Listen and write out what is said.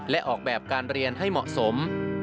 และออกแบบการเรียนให้เหมาะสม